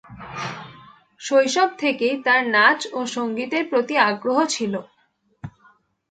শৈশব থেকেই তার নাচ ও সংগীতের প্রতি আগ্রহ ছিল।